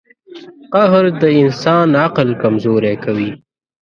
• قهر د انسان عقل کمزوری کوي.